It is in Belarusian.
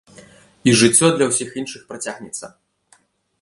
І жыццё для ўсіх іншых працягнецца.